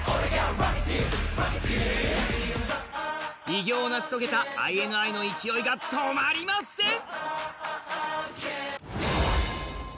偉業を成し遂げたＩＮＩの勢いが止まりません。